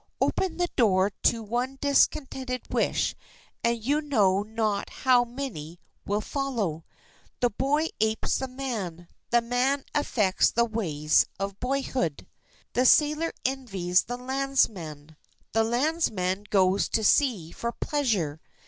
Open the door to one discontented wish and you know not how many will follow. The boy apes the man; the man affects the ways of boyhood. The sailor envies the landsman; the landsman goes to sea for pleasure.